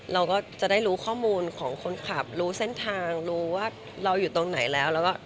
เราก็จะได้รู้ข้อมูลของคนขับรู้เส้นทางรู้ว่าเราอยู่ตรงไหนแล้วแล้วก็